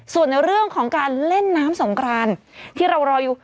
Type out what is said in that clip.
ส่วนในเรื่องของการเล่นน้ำสงครานที่เรารออยู่